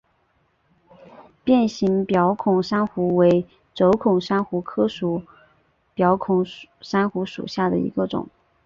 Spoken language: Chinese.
变形表孔珊瑚为轴孔珊瑚科表孔珊瑚属下的一个种。